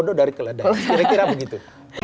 kodo dari keledai kira kira begitu